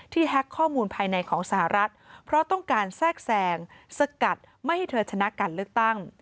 แฮ็กข้อมูลภายในของสหรัฐเพราะต้องการแทรกแซงสกัดไม่ให้เธอชนะการเลือกตั้ง